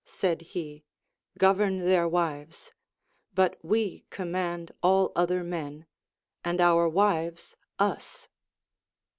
said he, govern their wives ; but we command all other men, and our Avives us.